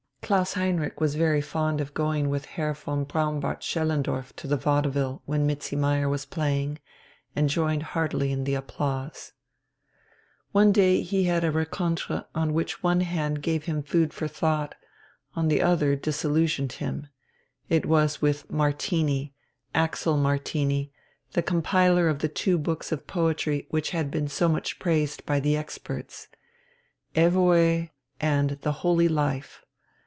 Klaus Heinrich was very fond of going with Herr von Braunbart Schellendorf to the "Vaudeville" when Mizzi Meyer was playing, and joined heartily in the applause. One day he had a rencontre which on the one hand gave him food for thought, on the other disillusioned him. It was with Martini, Axel Martini, the compiler of the two books of poetry which had been so much praised by the experts, "Evoë!" and "The Holy Life."